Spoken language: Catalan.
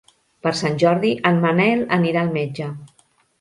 Per Sant Jordi en Manel anirà al metge.